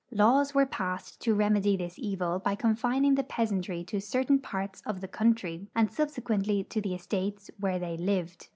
LaAVS Avere passed to remedy tliis evil by confining the peas antiy to certain parts of the countiy, and subsequently to the estates Avhere thcA' lived.